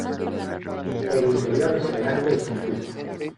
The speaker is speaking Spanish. El interior es elegante y sencillo.